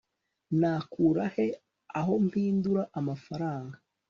nakura he aho mpindura amafaranga